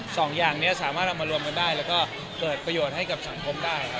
สองอย่างนี้สามารถเอามารวมกันได้แล้วก็เกิดประโยชน์ให้กับสังคมได้ครับ